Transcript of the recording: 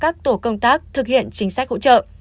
các tổ công tác thực hiện chính sách hỗ trợ